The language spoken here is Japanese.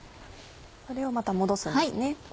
これをまた戻すんですね。